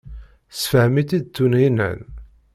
Tessefhem-itt-id Tunhinan.